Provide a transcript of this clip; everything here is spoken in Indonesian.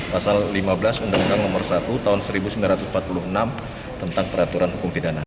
pasal lima belas undang undang nomor satu tahun seribu sembilan ratus empat puluh enam tentang peraturan hukum pidana